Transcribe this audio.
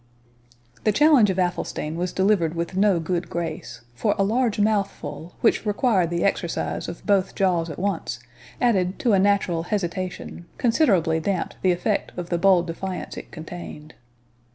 The challenge of Athelstane was delivered with no good grace; for a large mouthful, which required the exercise of both jaws at once, added to a natural hesitation, considerably damped the effect of the bold defiance it contained.